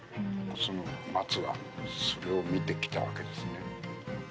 その松はそれを見てきたわけですよね。